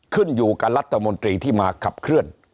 ขึ้นอยู่กับรัฐมนตรีที่มาขับเคลื่อน